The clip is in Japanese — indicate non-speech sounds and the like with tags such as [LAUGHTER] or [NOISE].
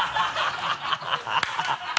ハハハ [LAUGHS]